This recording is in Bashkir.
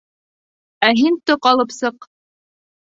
Ә һин тоҡ алып сыҡ.